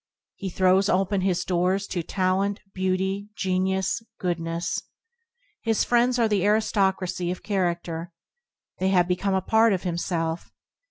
He throws open his doors to talent, beauty, genius, goodness. His friends are of the aristocracy of chara&er. They have become a part of himself.